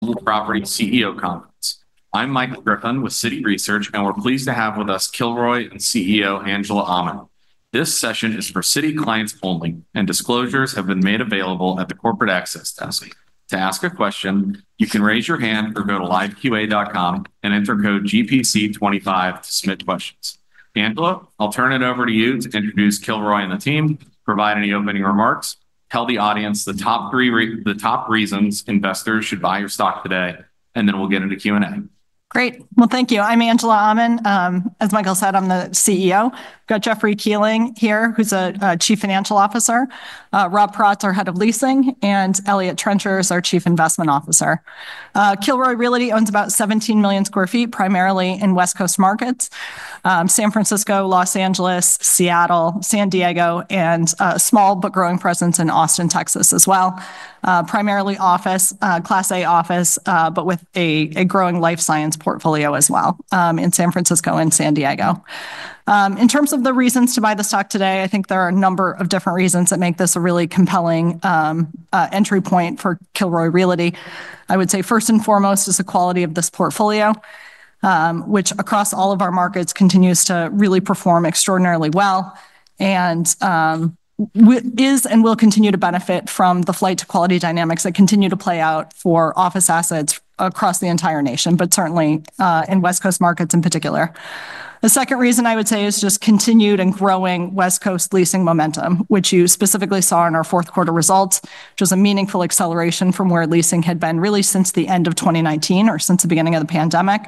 I'm Mike Griffin with Citi Research, and we're pleased to have with us Kilroy and CEO Angela Aman. This session is for Citi clients only, and disclosures have been made available at the corporate access desk. To ask a question, you can raise your hand or go to liveqa.com and enter code GPC25 to submit questions. Angela, I'll turn it over to you to introduce Kilroy and the team, provide any opening remarks, tell the audience the top reasons investors should buy your stock today, and then we'll get into Q&A. Great. Well, thank you. I'm Angela Aman. As Michael said, I'm the CEO. We've got Jeffrey Kuehling here, who's a Chief Financial Officer. Rob Paratte, our Head of Leasing, and Eliott Trencher, our Chief Investment Officer. Kilroy really owns about 17 million sq ft, primarily in West Coast markets: San Francisco, Los Angeles, Seattle, San Diego, and a small but growing presence in Austin, Texas as well. Primarily Class A office, but with a growing life science portfolio as well in San Francisco and San Diego. In terms of the reasons to buy the stock today, I think there are a number of different reasons that make this a really compelling entry point for Kilroy Realty. I would say first and foremost is the quality of this portfolio, which across all of our markets continues to really perform extraordinarily well and will continue to benefit from the flight to quality dynamics that continue to play out for office assets across the entire nation, but certainly in West Coast markets in particular. The second reason I would say is just continued and growing West Coast leasing momentum, which you specifically saw in our fourth quarter results, which was a meaningful acceleration from where leasing had been really since the end of 2019 or since the beginning of the pandemic,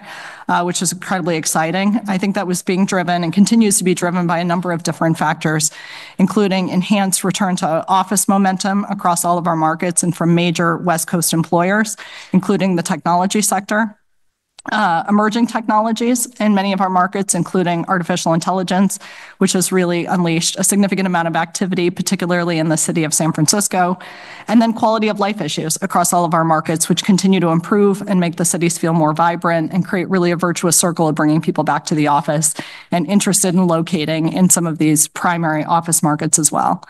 which was incredibly exciting. I think that was being driven and continues to be driven by a number of different factors, including enhanced return to office momentum across all of our markets and from major West Coast employers, including the technology sector, emerging technologies in many of our markets, including artificial intelligence, which has really unleashed a significant amount of activity, particularly in the city of San Francisco, and then quality of life issues across all of our markets, which continue to improve and make the cities feel more vibrant and create really a virtuous circle of bringing people back to the office and interested in locating in some of these primary office markets as well.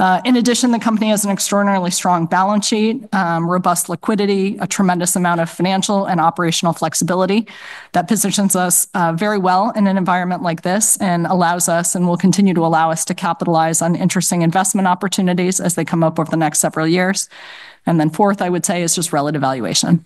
In addition, the company has an extraordinarily strong balance sheet, robust liquidity, a tremendous amount of financial and operational flexibility that positions us very well in an environment like this and allows us and will continue to allow us to capitalize on interesting investment opportunities as they come up over the next several years, and then fourth, I would say, is just relative valuation.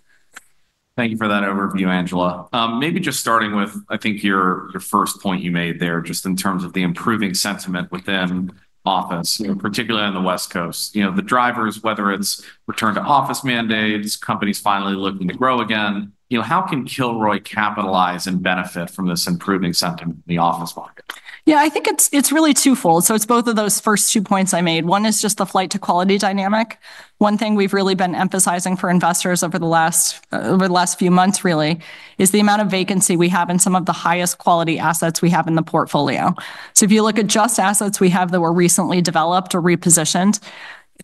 Thank you for that overview, Angela. Maybe just starting with, I think, your first point you made there, just in terms of the improving sentiment within office, particularly on the West Coast, the drivers, whether it's return to office mandates, companies finally looking to grow again, how can Kilroy capitalize and benefit from this improving sentiment in the office market? Yeah, I think it's really twofold, so it's both of those first two points I made. One is just the flight to quality dynamic. One thing we've really been emphasizing for investors over the last few months, really, is the amount of vacancy we have in some of the highest quality assets we have in the portfolio, so if you look at just assets we have that were recently developed or repositioned,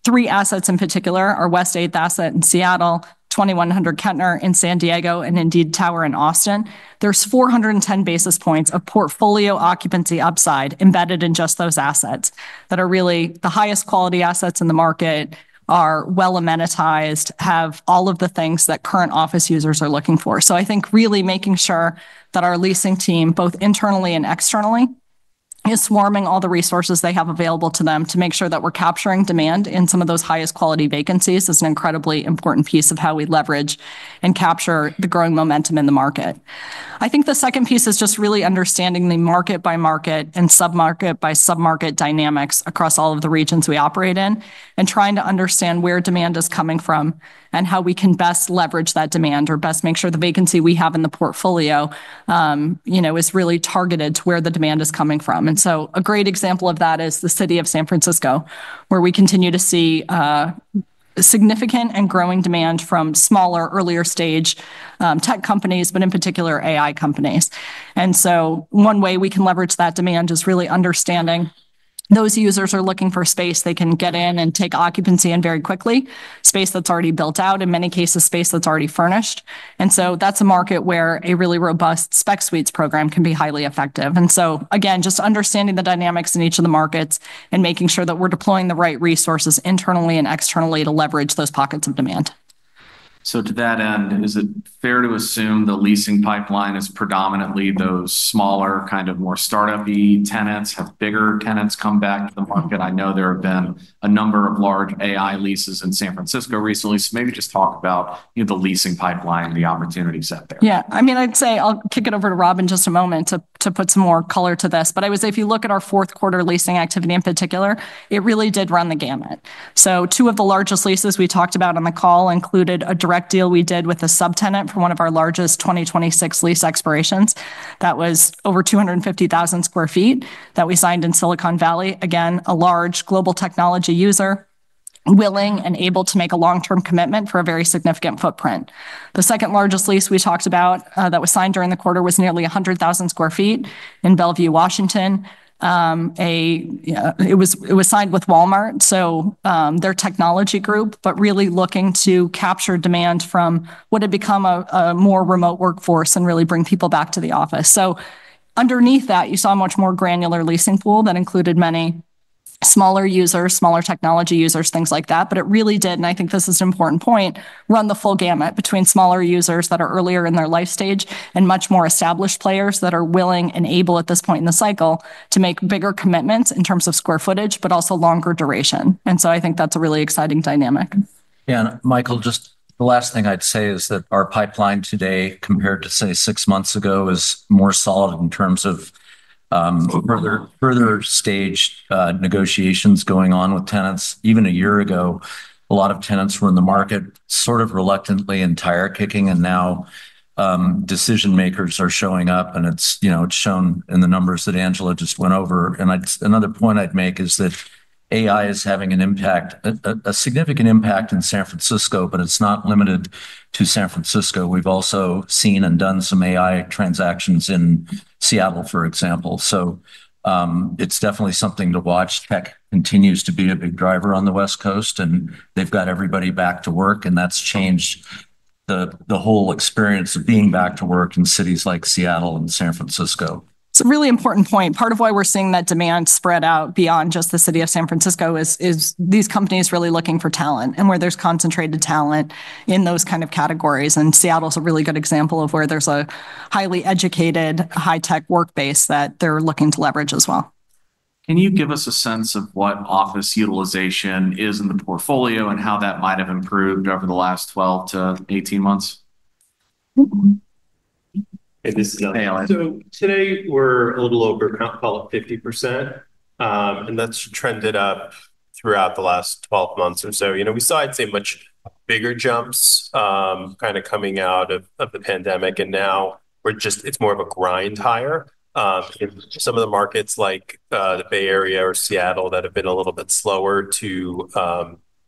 three assets in particular are West 8th in Seattle, 2100 Kettner in San Diego, and Indeed Tower in Austin. There's 410 basis points of portfolio occupancy upside embedded in just those assets that are really the highest quality assets in the market, are well amenitized, have all of the things that current office users are looking for. I think really making sure that our leasing team, both internally and externally, is swarming all the resources they have available to them to make sure that we're capturing demand in some of those highest quality vacancies is an incredibly important piece of how we leverage and capture the growing momentum in the market. I think the second piece is just really understanding the market by market and submarket by submarket dynamics across all of the regions we operate in and trying to understand where demand is coming from and how we can best leverage that demand or best make sure the vacancy we have in the portfolio is really targeted to where the demand is coming from. And so a great example of that is the city of San Francisco, where we continue to see significant and growing demand from smaller, earlier stage tech companies, but in particular, AI companies. And so one way we can leverage that demand is really understanding those users are looking for space they can get in and take occupancy in very quickly, space that's already built out, in many cases, space that's already furnished. And so that's a market where a really robust spec suites program can be highly effective. And so, again, just understanding the dynamics in each of the markets and making sure that we're deploying the right resources internally and externally to leverage those pockets of demand. So to that end, is it fair to assume the leasing pipeline is predominantly those smaller, kind of more startup-y tenants, have bigger tenants come back to the market? I know there have been a number of large AI leases in San Francisco recently. So maybe just talk about the leasing pipeline, the opportunities out there. Yeah. I mean, I'd say I'll kick it over to Rob in just a moment to put some more color to this. But I would say if you look at our fourth quarter leasing activity in particular, it really did run the gamut, so two of the largest leases we talked about on the call included a direct deal we did with a subtenant for one of our largest 2026 lease expirations. That was over 250,000 sq ft that we signed in Silicon Valley. Again, a large global technology user willing and able to make a long-term commitment for a very significant footprint. The second largest lease we talked about that was signed during the quarter was nearly 100,000 sq ft in Bellevue, Washington. It was signed with Walmart, so their technology group, but really looking to capture demand from what had become a more remote workforce and really bring people back to the office, so underneath that, you saw a much more granular leasing pool that included many smaller users, smaller technology users, things like that, but it really did, and I think this is an important point, run the full gamut between smaller users that are earlier in their life stage and much more established players that are willing and able at this point in the cycle to make bigger commitments in terms of square footage, but also longer duration, and so I think that's a really exciting dynamic. Yeah. And Michael, just the last thing I'd say is that our pipeline today, compared to, say, six months ago, is more solid in terms of further staged negotiations going on with tenants. Even a year ago, a lot of tenants were in the market sort of reluctantly and tire-kicking, and now decision makers are showing up, and it's shown in the numbers that Angela just went over. And another point I'd make is that AI is having a significant impact in San Francisco, but it's not limited to San Francisco. We've also seen and done some AI transactions in Seattle, for example. So it's definitely something to watch. Tech continues to be a big driver on the West Coast, and they've got everybody back to work, and that's changed the whole experience of being back to work in cities like Seattle and San Francisco. It's a really important point. Part of why we're seeing that demand spread out beyond just the city of San Francisco is these companies really looking for talent and where there's concentrated talent in those kind of categories, and Seattle's a really good example of where there's a highly educated, high-tech work base that they're looking to leverage as well. Can you give us a sense of what office utilization is in the portfolio and how that might have improved over the last 12 months-18 months? So today we're a little over, I'll call it 50%, and that's trended up throughout the last 12 months. And so we saw, I'd say, much bigger jumps kind of coming out of the pandemic, and now it's more of a grind higher. Some of the markets like the Bay Area or Seattle that have been a little bit slower to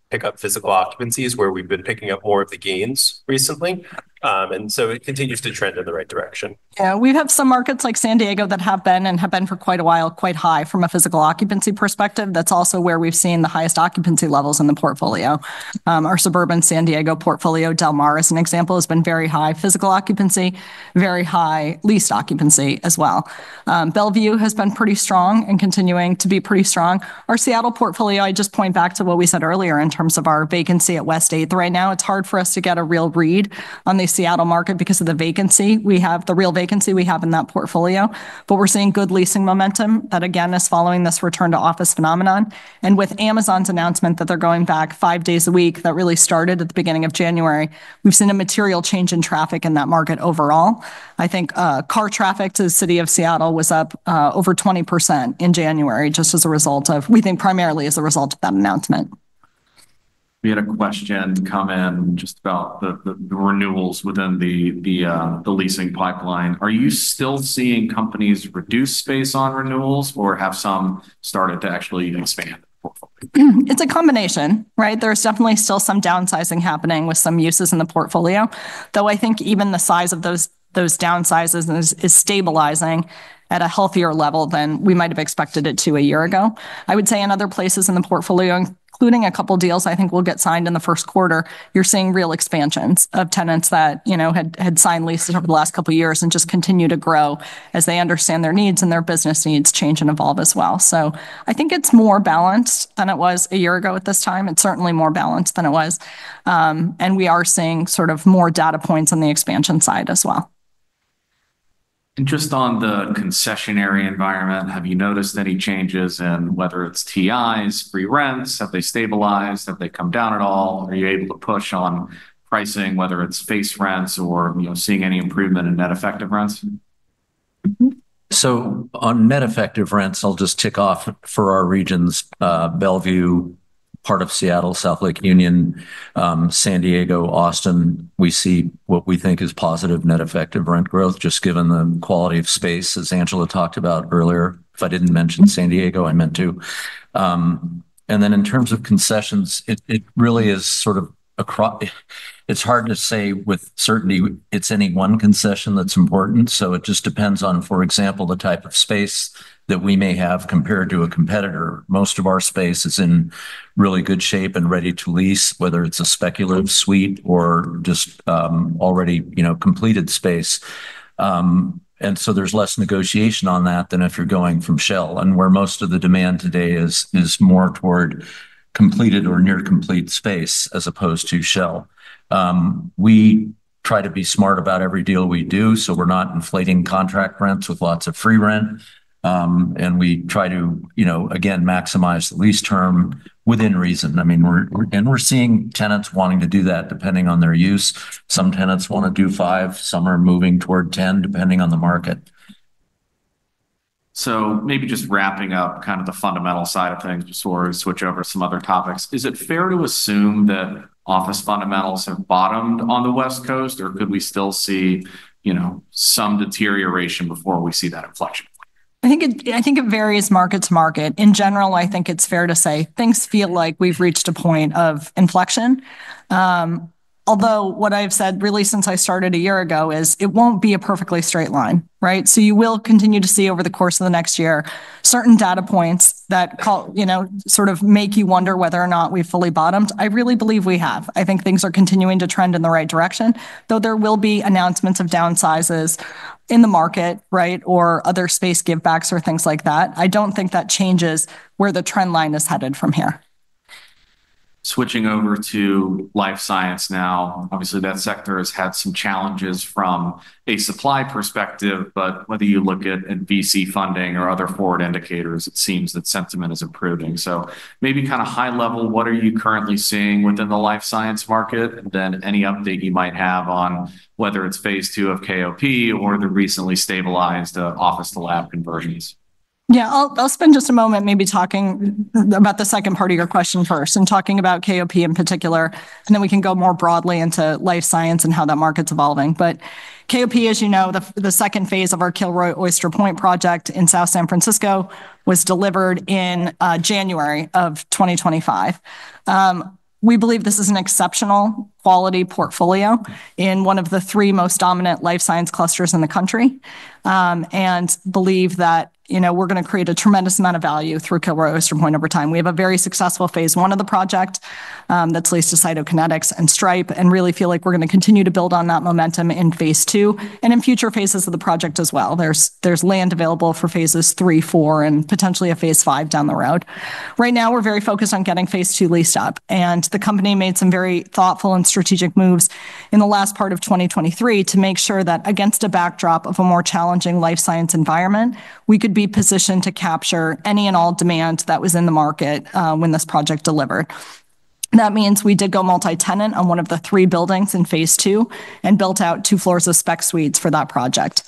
pick up physical occupancy is where we've been picking up more of the gains recently. And so it continues to trend in the right direction. Yeah. We have some markets like San Diego that have been and have been for quite a while quite high from a physical occupancy perspective. That's also where we've seen the highest occupancy levels in the portfolio. Our suburban San Diego portfolio, Del Mar, as an example, has been very high physical occupancy, very high leased occupancy as well. Bellevue has been pretty strong and continuing to be pretty strong. Our Seattle portfolio, I just point back to what we said earlier in terms of our vacancy at West 8th. Right now, it's hard for us to get a real read on the Seattle market because of the real vacancy we have in that portfolio, but we're seeing good leasing momentum that, again, is following this return to office phenomenon. With Amazon's announcement that they're going back five days a week, that really started at the beginning of January, we've seen a material change in traffic in that market overall. I think car traffic to the city of Seattle was up over 20% in January, just as a result of, we think, primarily as a result of that announcement. We had a question come in just about the renewals within the leasing pipeline. Are you still seeing companies reduce space on renewals or have some started to actually expand? It's a combination, right? There's definitely still some downsizing happening with some uses in the portfolio, though I think even the size of those downsizes is stabilizing at a healthier level than we might have expected it to a year ago. I would say in other places in the portfolio, including a couple of deals I think will get signed in the first quarter, you're seeing real expansions of tenants that had signed leases over the last couple of years and just continue to grow as they understand their needs and their business needs change and evolve as well. So I think it's more balanced than it was a year ago at this time. It's certainly more balanced than it was. And we are seeing sort of more data points on the expansion side as well. Just on the concessionary environment, have you noticed any changes in whether it's TIs, free rents? Have they stabilized? Have they come down at all? Are you able to push on pricing, whether it's face rents or seeing any improvement in net effective rents? So on net effective rents, I'll just tick off for our regions, Bellevue, part of Seattle, South Lake Union, San Diego, Austin. We see what we think is positive net effective rent growth, just given the quality of space, as Angela talked about earlier. If I didn't mention San Diego, I meant to. And then in terms of concessions, it really is sort of a [crappy]. It's hard to say with certainty it's any one concession that's important. So it just depends on, for example, the type of space that we may have compared to a competitor. Most of our space is in really good shape and ready to lease, whether it's a speculative suite or just already completed space. And so there's less negotiation on that than if you're going from shell. Where most of the demand today is more toward completed or near complete space as opposed to shell. We try to be smart about every deal we do, so we're not inflating contract rents with lots of free rent. We try to, again, maximize the lease term within reason. I mean, and we're seeing tenants wanting to do that depending on their use. Some tenants want to do five. Some are moving toward 10, depending on the market. So maybe just wrapping up kind of the fundamental side of things before we switch over to some other topics, is it fair to assume that office fundamentals have bottomed on the West Coast, or could we still see some deterioration before we see that inflection? I think it varies market to market. In general, I think it's fair to say things feel like we've reached a point of inflection. Although what I've said really since I started a year ago is it won't be a perfectly straight line, right? So you will continue to see over the course of the next year certain data points that sort of make you wonder whether or not we've fully bottomed. I really believe we have. I think things are continuing to trend in the right direction, though there will be announcements of downsizes in the market, right, or other space give-backs or things like that. I don't think that changes where the trend line is headed from here. Switching over to life science now, obviously that sector has had some challenges from a supply perspective, but whether you look at VC funding or other forward indicators, it seems that sentiment is improving. So maybe kind of high level, what are you currently seeing within the life science market, and then any update you might have on whether it's phase II of KOP or the recently stabilized office-to-lab conversions? Yeah, I'll spend just a moment maybe talking about the second part of your question first and talking about KOP in particular, and then we can go more broadly into life science and how that market's evolving. But KOP, as you know, the second phase of our Kilroy Oyster Point project in South San Francisco was delivered in January of 2025. We believe this is an exceptional quality portfolio in one of the three most dominant life science clusters in the country and believe that we're going to create a tremendous amount of value through Kilroy Oyster Point over time. We have a very successful phase I of the project that's leased to Cytokinetics and Stripe and really feel like we're going to continue to build on that momentum in phase II and in future phases of the project as well. There's land available for phases III, IV, and potentially a phase V down the road. Right now, we're very focused on getting phase II leased up, and the company made some very thoughtful and strategic moves in the last part of 2023 to make sure that against a backdrop of a more challenging life science environment, we could be positioned to capture any and all demand that was in the market when this project delivered. That means we did go multi-tenant on one of the three buildings in phase II and built out two floors of spec suites for that project.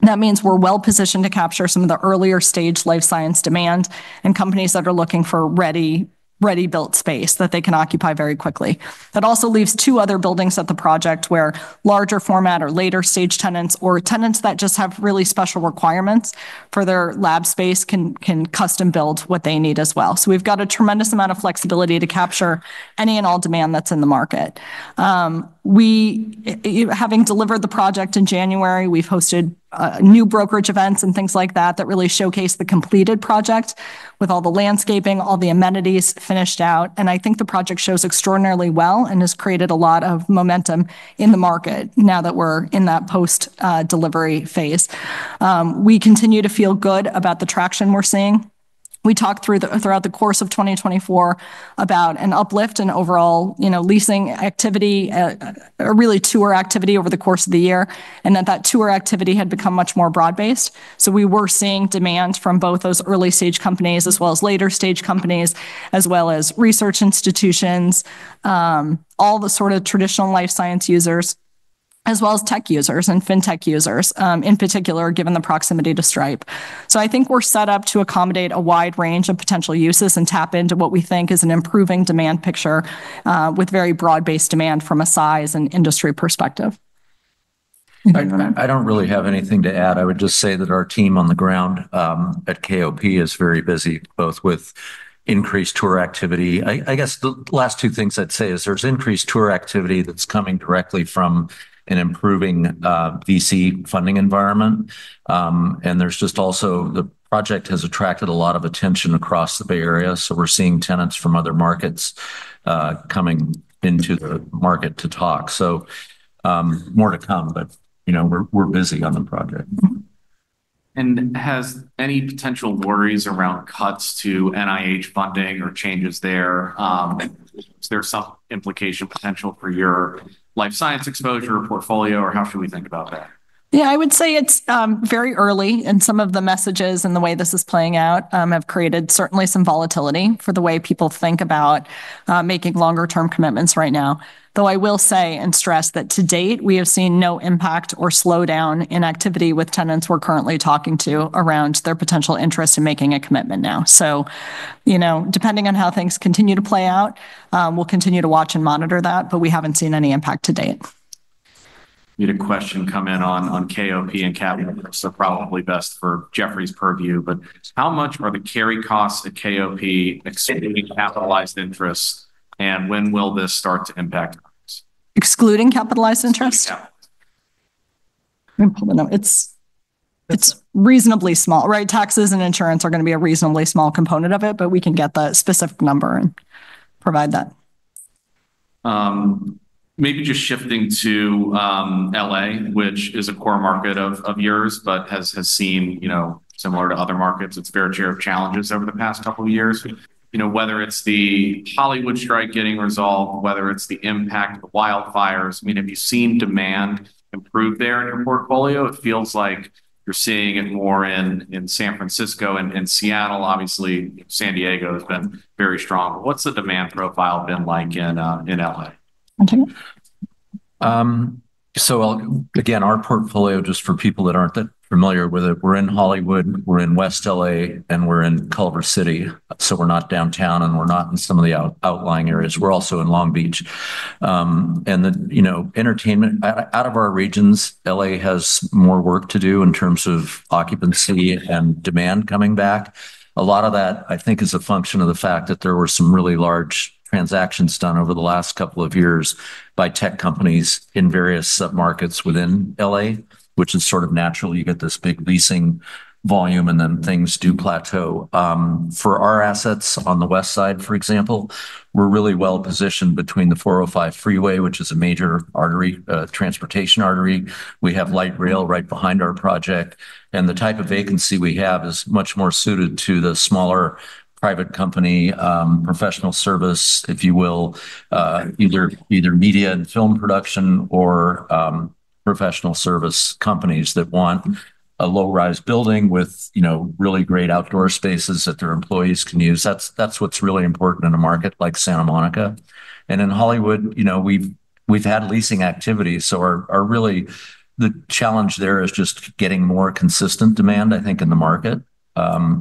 That means we're well positioned to capture some of the earlier stage life science demand and companies that are looking for ready-built space that they can occupy very quickly. That also leaves two other buildings at the project where larger format or later stage tenants or tenants that just have really special requirements for their lab space can custom build what they need as well, so we've got a tremendous amount of flexibility to capture any and all demand that's in the market. Having delivered the project in January, we've hosted new brokerage events and things like that that really showcase the completed project with all the landscaping, all the amenities finished out, and I think the project shows extraordinarily well and has created a lot of momentum in the market now that we're in that post-delivery phase. We continue to feel good about the traction we're seeing. We talked throughout the course of 2024 about an uplift in overall leasing activity, really tour activity over the course of the year, and that that tour activity had become much more broad-based. So we were seeing demand from both those early-stage companies as well as later-stage companies, as well as research institutions, all the sort of traditional life science users, as well as tech users and fintech users, in particular, given the proximity to Stripe. So I think we're set up to accommodate a wide range of potential uses and tap into what we think is an improving demand picture with very broad-based demand from a size and industry perspective. I don't really have anything to add. I would just say that our team on the ground at KOP is very busy, both with increased tour activity. I guess the last two things I'd say is there's increased tour activity that's coming directly from an improving VC funding environment, and there's just also the project has attracted a lot of attention across the Bay Area, so we're seeing tenants from other markets coming into the market to talk, so more to come, but we're busy on the project. And has any potential worries around cuts to NIH funding or changes there? Is there some implication potential for your life science exposure portfolio, or how should we think about that? Yeah, I would say it's very early, and some of the messages and the way this is playing out have created certainly some volatility for the way people think about making longer-term commitments right now. Though I will say and stress that to date, we have seen no impact or slowdown in activity with tenants we're currently talking to around their potential interest in making a commitment now. So depending on how things continue to play out, we'll continue to watch and monitor that, but we haven't seen any impact to date. We had a question come in on KOP and capital risks. That's probably best for Jeffrey's purview, but how much are the carry costs of KOP excluding capitalized interest, and when will this start to impact? Excluding capitalized interest? Yeah. It's reasonably small, right? Taxes and insurance are going to be a reasonably small component of it, but we can get the specific number and provide that. Maybe just shifting to L.A., which is a core market of yours, but has seen, similar to other markets, its fair share of challenges over the past couple of years. Whether it's the Hollywood strike getting resolved, whether it's the impact of wildfires, I mean, have you seen demand improve there in your portfolio? It feels like you're seeing it more in San Francisco and Seattle. Obviously, San Diego has been very strong. What's the demand profile been like in L.A.? So again, our portfolio, just for people that aren't that familiar with it, we're in Hollywood, we're in West L.A., and we're in Culver City. So we're not downtown, and we're not in some of the outlying areas. We're also in Long Beach. And the entertainment out of our regions, L.A. has more work to do in terms of occupancy and demand coming back. A lot of that, I think, is a function of the fact that there were some really large transactions done over the last couple of years by tech companies in various submarkets within LA, which is sort of natural. You get this big leasing volume, and then things do plateau. For our assets on the west side, for example, we're really well positioned between the 405 freeway, which is a major transportation artery. We have light rail right behind our project. And the type of vacancy we have is much more suited to the smaller private company professional service, if you will, either media and film production or professional service companies that want a low-rise building with really great outdoor spaces that their employees can use. That's what's really important in a market like Santa Monica. And in Hollywood, we've had leasing activity. So really, the challenge there is just getting more consistent demand, I think, in the market,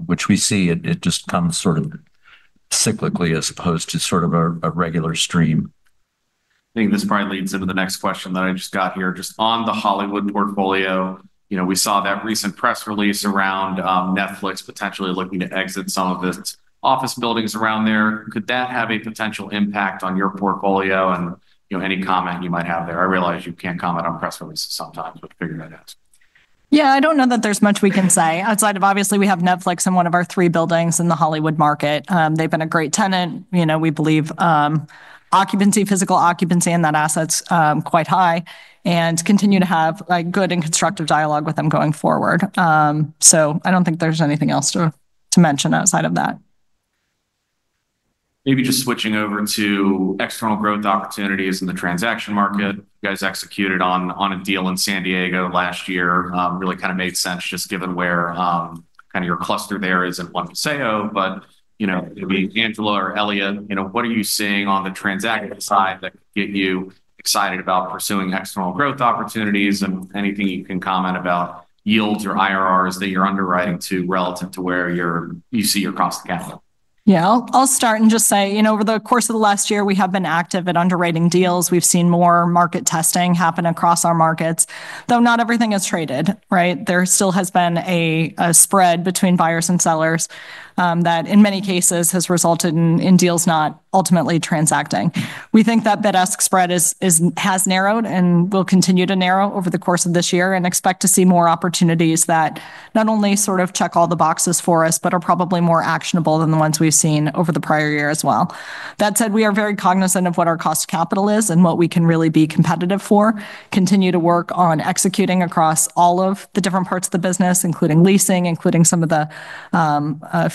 which we see it just comes sort of cyclically as opposed to sort of a regular stream. I think this probably leads into the next question that I just got here. Just on the Hollywood portfolio, we saw that recent press release around Netflix potentially looking to exit some of its office buildings around there. Could that have a potential impact on your portfolio and any comment you might have there? I realize you can't comment on press releases sometimes, but figure that out. Yeah, I don't know that there's much we can say outside of, obviously, we have Netflix in one of our three buildings in the Hollywood market. They've been a great tenant. We believe occupancy, physical occupancy, and that asset's quite high and continue to have a good and constructive dialogue with them going forward. So I don't think there's anything else to mention outside of that. Maybe just switching over to external growth opportunities in the transaction market. You guys executed on a deal in San Diego last year. Really kind of made sense just given where kind of your cluster there is in One Paseo. But maybe Angela or Eliott, what are you seeing on the transaction side that could get you excited about pursuing external growth opportunities and anything you can comment about yields or IRRs that you're underwriting to relative to where you see your cost of capital? Yeah, I'll start and just say, over the course of the last year, we have been active at underwriting deals. We've seen more market testing happen across our markets, though not everything is traded, right? There still has been a spread between buyers and sellers that, in many cases, has resulted in deals not ultimately transacting. We think that bid-ask spread has narrowed and will continue to narrow over the course of this year and expect to see more opportunities that not only sort of check all the boxes for us, but are probably more actionable than the ones we've seen over the prior year as well. That said, we are very cognizant of what our cost of capital is and what we can really be competitive for, continue to work on executing across all of the different parts of the business, including leasing, including some of the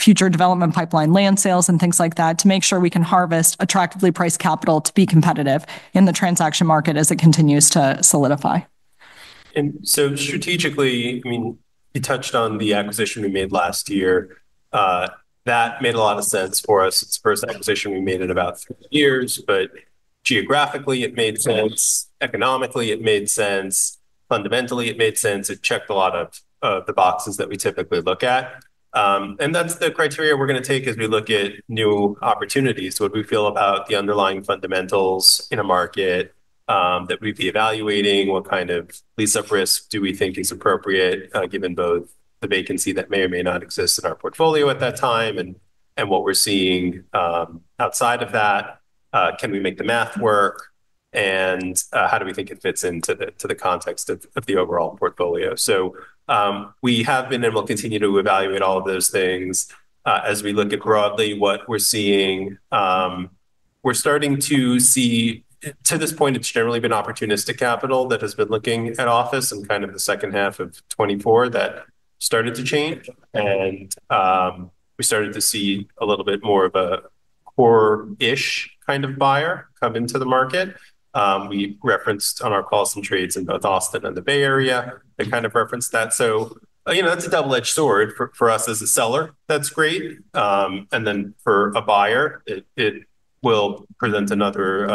future development pipeline land sales and things like that, to make sure we can harvest attractively priced capital to be competitive in the transaction market as it continues to solidify. So strategically, I mean, you touched on the acquisition we made last year. That made a lot of sense for us. It's the first acquisition we made in about three years, but geographically, it made sense. Economically, it made sense. Fundamentally, it made sense. It checked a lot of the boxes that we typically look at. And then the criteria we're going to take as we look at new opportunities. What do we feel about the underlying fundamentals in a market that we'd be evaluating? What kind of level of risk do we think is appropriate given both the vacancy that may or may not exist in our portfolio at that time and what we're seeing outside of that? Can we make the math work? And how do we think it fits into the context of the overall portfolio? So we have been and will continue to evaluate all of those things. As we look at broadly what we're seeing, we're starting to see to this point, it's generally been opportunistic capital that has been looking at office in kind of the second half of 2024 that started to change. And we started to see a little bit more of a core-ish kind of buyer come into the market. We referenced on our calls and trades in both Austin and the Bay Area. They kind of referenced that. So that's a double-edged sword for us as a seller. That's great. And then for a buyer, it will present another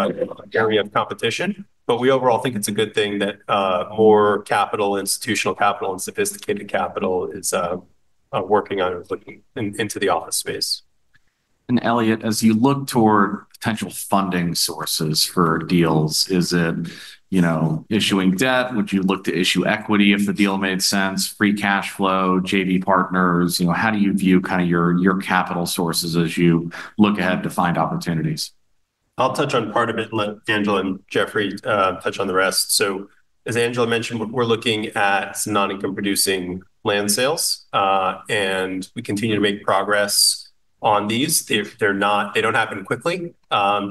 area of competition. But we overall think it's a good thing that more capital, institutional capital, and sophisticated capital is working on and looking into the office space. Eliott, as you look toward potential funding sources for deals, is it issuing debt? Would you look to issue equity if the deal made sense? Free cash flow, JV Partners? How do you view kind of your capital sources as you look ahead to find opportunities? I'll touch on part of it, let Angela and Jeffrey touch on the rest, so as Angela mentioned, we're looking at some non-income-producing land sales, and we continue to make progress on these. They don't happen quickly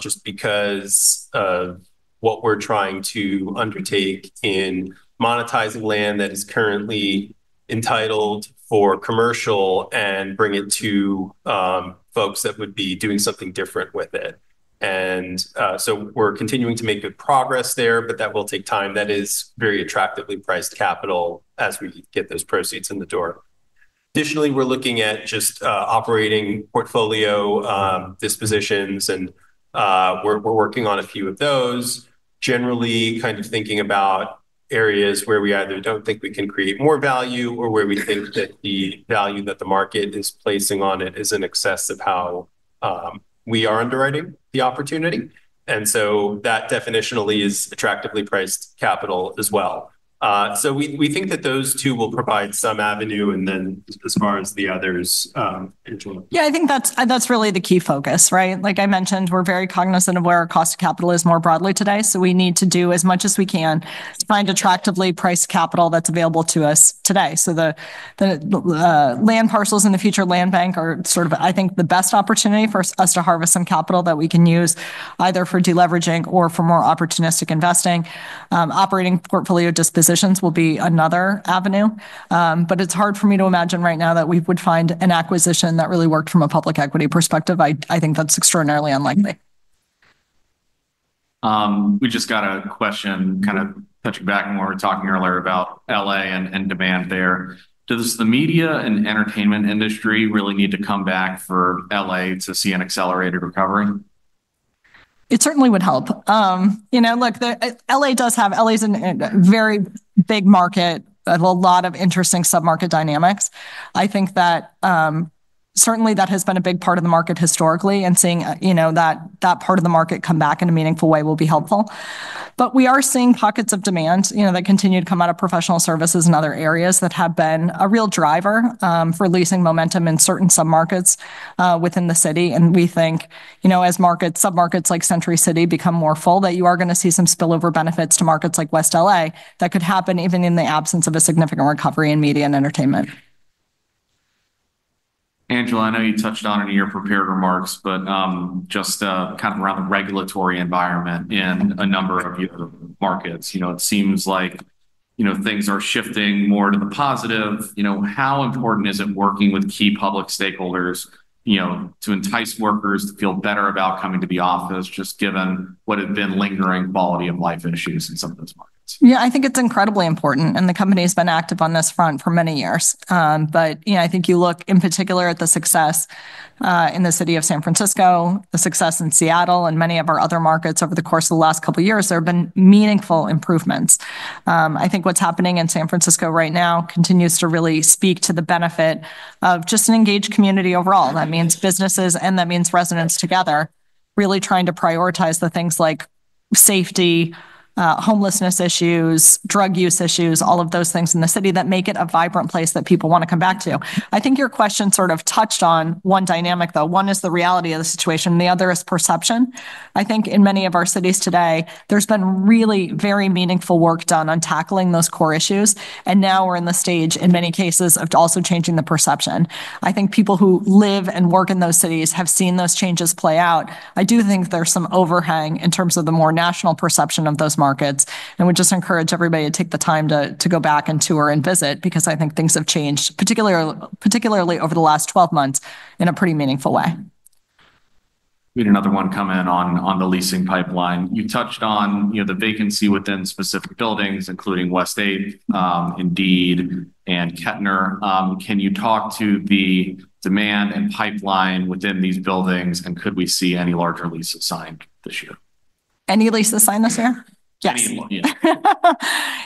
just because of what we're trying to undertake in monetizing land that is currently entitled for commercial, and bring it to folks that would be doing something different with it, and so we're continuing to make good progress there, but that will take time. That is very attractively priced capital as we get those proceeds in the door. Additionally, we're looking at just operating portfolio dispositions, and we're working on a few of those, generally kind of thinking about areas where we either don't think we can create more value or where we think that the value that the market is placing on it is in excess of how we are underwriting the opportunity, and so that definitionally is attractively priced capital as well, so we think that those two will provide some avenue, and then as far as the others, Angela. Yeah, I think that's really the key focus, right? Like I mentioned, we're very cognizant of where our cost of capital is more broadly today. So we need to do as much as we can to find attractively priced capital that's available to us today. So the land parcels in the future land bank are sort of, I think, the best opportunity for us to harvest some capital that we can use either for deleveraging or for more opportunistic investing. Operating portfolio dispositions will be another avenue. But it's hard for me to imagine right now that we would find an acquisition that really worked from a public equity perspective. I think that's extraordinarily unlikely. We just got a question kind of touching back when we were talking earlier about L.A. and demand there. Does the media and entertainment industry really need to come back for L.A. to see an accelerated recovery? It certainly would help. Look, L.A. does have. L.A.'s a very big market with a lot of interesting submarket dynamics. I think that certainly that has been a big part of the market historically, and seeing that part of the market come back in a meaningful way will be helpful, but we are seeing pockets of demand that continue to come out of professional services and other areas that have been a real driver for leasing momentum in certain submarkets within the city, and we think as submarkets like Century City become more full, that you are going to see some spillover benefits to markets like West L.A., that could happen even in the absence of a significant recovery in media and entertainment. Angela, I know you touched on it in your prepared remarks, but just kind of around the regulatory environment in a number of markets. It seems like things are shifting more to the positive. How important is it working with key public stakeholders to entice workers to feel better about coming to the office just given what have been lingering quality of life issues in some of those markets? Yeah, I think it's incredibly important, and the company has been active on this front for many years. But I think you look in particular at the success in the city of San Francisco, the success in Seattle, and many of our other markets over the course of the last couple of years. There have been meaningful improvements. I think what's happening in San Francisco right now continues to really speak to the benefit of just an engaged community overall. That means businesses, and that means residents together, really trying to prioritize the things like safety, homelessness issues, drug use issues, all of those things in the city that make it a vibrant place that people want to come back to. I think your question sort of touched on one dynamic, though. One is the reality of the situation. The other is perception. I think in many of our cities today, there's been really very meaningful work done on tackling those core issues, and now we're in the stage, in many cases, of also changing the perception. I think people who live and work in those cities have seen those changes play out. I do think there's some overhang in terms of the more national perception of those markets, and we just encourage everybody to take the time to go back and tour and visit because I think things have changed, particularly over the last 12 months, in a pretty meaningful way. We had another one come in on the leasing pipeline. You touched on the vacancy within specific buildings, including West 8th, Indeed, and Kettner. Can you talk to the demand and pipeline within these buildings, and could we see any larger leases signed this year? Any leases signed this year? Yes. Any look?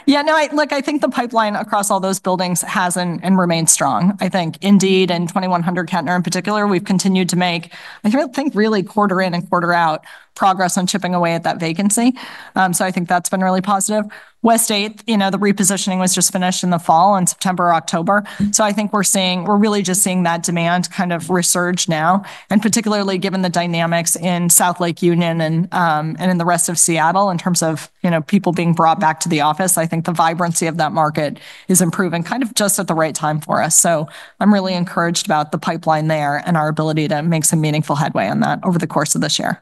Yeah. No, look, I think the pipeline across all those buildings has and remains strong. I think Indeed and 2100 Kettner in particular, we've continued to make, I think, really quarter in and quarter out progress on chipping away at that vacancy. So I think that's been really positive. West 8th, the repositioning was just finished in the fall in September or October. So I think we're really just seeing that demand kind of resurge now, and particularly given the dynamics in South Lake Union and in the rest of Seattle in terms of people being brought back to the office. I think the vibrancy of that market is improving kind of just at the right time for us. So I'm really encouraged about the pipeline there and our ability to make some meaningful headway on that over the course of this year.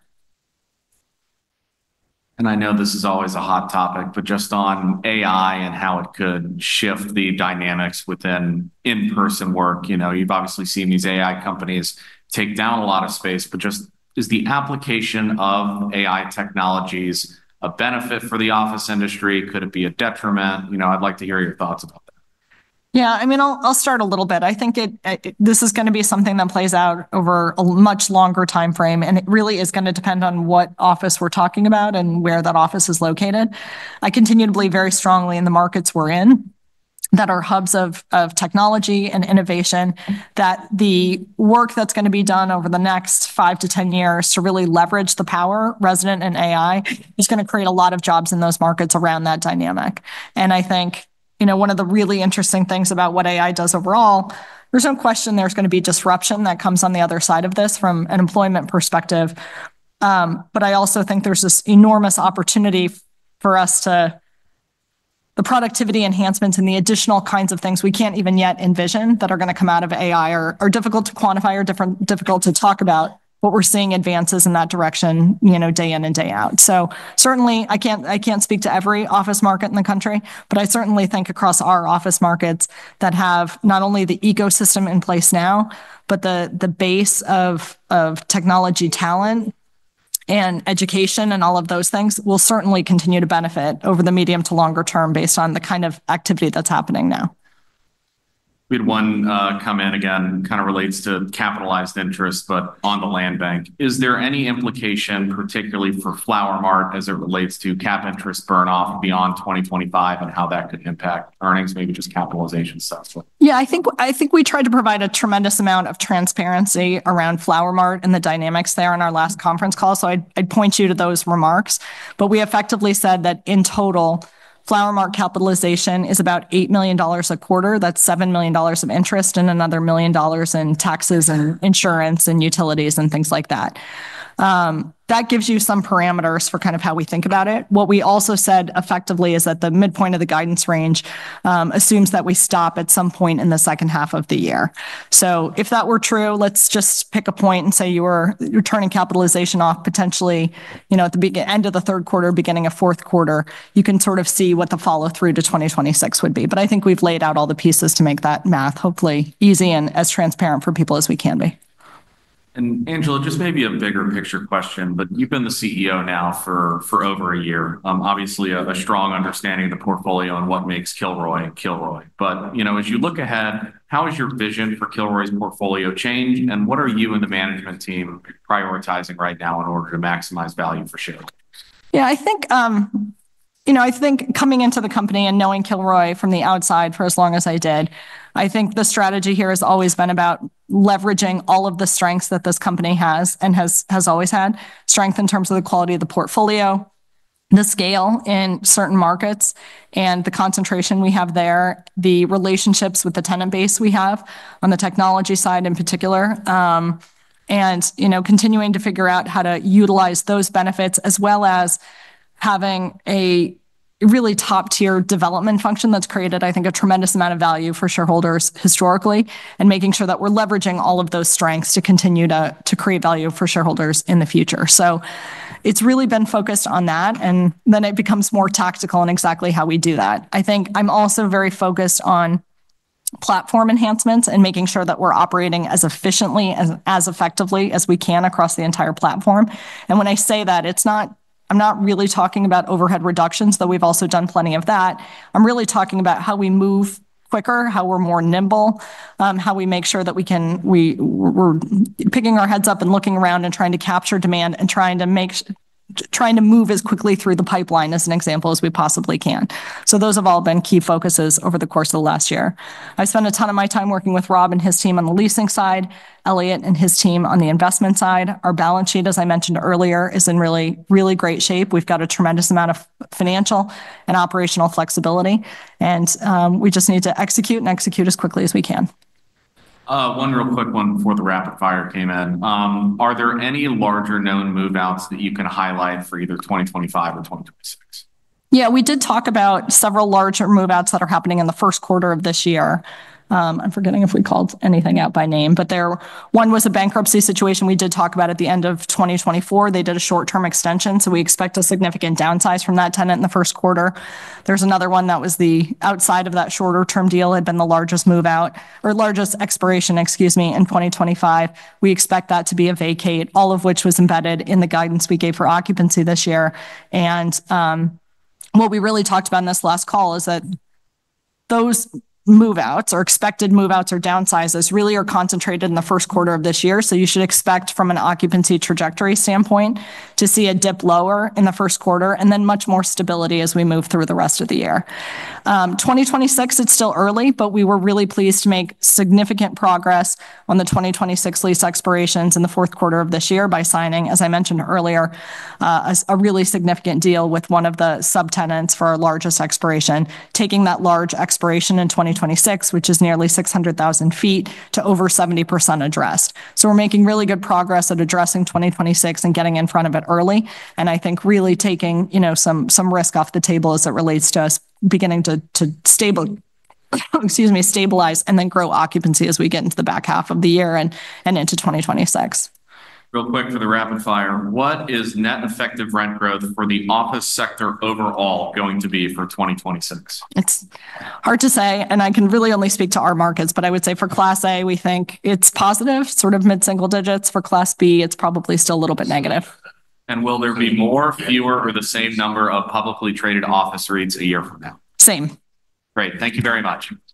I know this is always a hot topic, but just on AI and how it could shift the dynamics within in-person work. You've obviously seen these AI companies take down a lot of space, but just is the application of AI technologies a benefit for the office industry? Could it be a detriment? I'd like to hear your thoughts about that. Yeah, I mean, I'll start a little bit. I think this is going to be something that plays out over a much longer time frame, and it really is going to depend on what office we're talking about and where that office is located. I continually believe very strongly in the markets we're in that are hubs of technology and innovation, that the work that's going to be done over the next 5 years-10 years to really leverage the power resident and AI is going to create a lot of jobs in those markets around that dynamic. And I think one of the really interesting things about what AI does overall, there's no question there's going to be disruption that comes on the other side of this from an employment perspective. But I also think there's this enormous opportunity for us to the productivity enhancements and the additional kinds of things we can't even yet envision that are going to come out of AI are difficult to quantify or difficult to talk about, but we're seeing advances in that direction day in and day out. So certainly, I can't speak to every office market in the country, but I certainly think across our office markets that have not only the ecosystem in place now, but the base of technology talent and education and all of those things will certainly continue to benefit over the medium to longer term based on the kind of activity that's happening now. We had one come in again, kind of relates to capitalized interest, but on the land bank. Is there any implication, particularly for Flower Mart, as it relates to cap interest burn-off beyond 2025 and how that could impact earnings, maybe just capitalization stuff? Yeah, I think we tried to provide a tremendous amount of transparency around Flower Mart and the dynamics there on our last conference call. So I'd point you to those remarks. But we effectively said that in total, Flower Mart capitalization is about $8 million a quarter. That's $7 million of interest and another $1 million in taxes and insurance and utilities and things like that. That gives you some parameters for kind of how we think about it. What we also said effectively is that the midpoint of the guidance range assumes that we stop at some point in the second half of the year. So if that were true, let's just pick a point and say you were turning capitalization off potentially at the end of the third quarter, beginning of fourth quarter, you can sort of see what the follow-through to 2026 would be. But I think we've laid out all the pieces to make that math hopefully easy and as transparent for people as we can be. Angela, just maybe a bigger picture question, but you've been the CEO now for over a year. Obviously, a strong understanding of the portfolio and what makes Kilroy Kilroy. As you look ahead, how has your vision for Kilroy's portfolio changed? What are you and the management team prioritizing right now in order to maximize value for shareholders? Yeah, I think coming into the company and knowing Kilroy from the outside for as long as I did, I think the strategy here has always been about leveraging all of the strengths that this company has and has always had, strength in terms of the quality of the portfolio, the scale in certain markets and the concentration we have there, the relationships with the tenant base we have on the technology side in particular, and continuing to figure out how to utilize those benefits as well as having a really top-tier development function that's created, I think, a tremendous amount of value for shareholders historically and making sure that we're leveraging all of those strengths to continue to create value for shareholders in the future. So it's really been focused on that, and then it becomes more tactical in exactly how we do that. I think I'm also very focused on platform enhancements and making sure that we're operating as efficiently and as effectively as we can across the entire platform, and when I say that, I'm not really talking about overhead reductions, though we've also done plenty of that. I'm really talking about how we move quicker, how we're more nimble, how we make sure that we're picking our heads up and looking around and trying to capture demand and trying to move as quickly through the pipeline as an example as we possibly can, so those have all been key focuses over the course of the last year. I spent a ton of my time working with Rob and his team on the leasing side, Eliott and his team on the investment side. Our balance sheet, as I mentioned earlier, is in really, really great shape. We've got a tremendous amount of financial and operational flexibility, and we just need to execute and execute as quickly as we can. One real quick one before the rapid fire came in. Are there any larger known move-outs that you can highlight for either 2025 or 2026? Yeah, we did talk about several larger move-outs that are happening in the first quarter of this year. I'm forgetting if we called anything out by name, but one was a bankruptcy situation we did talk about at the end of 2024. They did a short-term extension, so we expect a significant downsize from that tenant in the first quarter. There's another one that was the outside of that shorter-term deal had been the largest move-out or largest expiration, excuse me, in 2025. We expect that to be a vacate, all of which was embedded in the guidance we gave for occupancy this year, and what we really talked about in this last call is that those move-outs or expected move-outs or downsizes really are concentrated in the first quarter of this year. You should expect from an occupancy trajectory standpoint to see a dip lower in the first quarter and then much more stability as we move through the rest of the year. 2026, it's still early, but we were really pleased to make significant progress on the 2026 lease expirations in the fourth quarter of this year by signing, as I mentioned earlier, a really significant deal with one of the subtenants for our largest expiration, taking that large expiration in 2026, which is nearly 600,000 sq ft to over 70% addressed. So we're making really good progress at addressing 2026 and getting in front of it early. And I think really taking some risk off the table as it relates to us beginning to stabilize and then grow occupancy as we get into the back half of the year and into 2026. Real quick for the rapid fire, what is net effective rent growth for the office sector overall going to be for 2026? It's hard to say, and I can really only speak to our markets, but I would say for Class A, we think it's positive, sort of mid-single digits. For Class B, it's probably still a little bit negative. Will there be more, fewer, or the same number of publicly traded office REITs a year from now? Same. Great. Thank you very much.